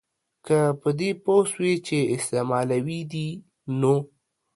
که په دې پوه سوې چي استعمالوي دي نو